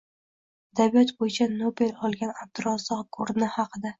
Adabiyot bo‘yicha Nobel olgan Abdurazzoq Gurna haqida